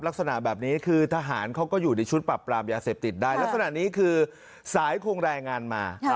ลักษณะแบบนี้คือทหารเขาก็อยู่ในชุดปรับปรามยาเสพติดได้ลักษณะนี้คือสายคงแรงงานมา